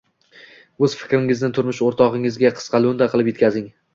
O‘z fikringizni turmush o‘rtog‘ingizga qisqa, lo‘nda qilib yetkazing.